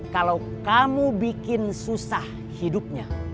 kalau kamu bikin susah hidupnya